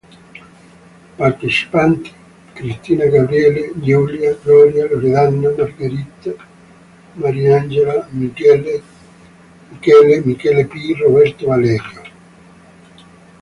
Partecipanti: Cristina, Gabriele, Giulia, Gloria, Loredana, Margherita, Mariangela, Michele G., Michele P., Roberto, Valerio.